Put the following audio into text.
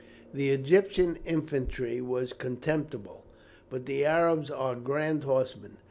"The Egyptian infantry were contemptible, but the Arabs are grand horsemen.